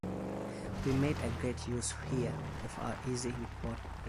We've made great use here of our easy rapport.